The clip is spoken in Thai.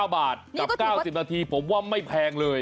๙บาทกับ๙๐นาทีผมว่าไม่แพงเลย